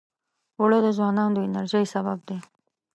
اوړه د ځوانانو د انرژۍ سبب دي